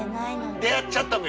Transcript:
出会っちゃったのよ。